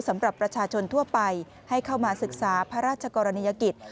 สำหรับประชาชนทั่วไปให้เข้ามาศึกษาพระราชกรณียกิจ